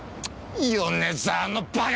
米沢のバカが！